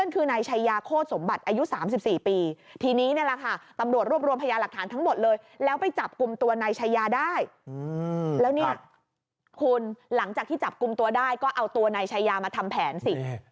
คุณหลังจากที่จับกุมตัวได้ก็เอาตัวนายชายามาทำแผนสิ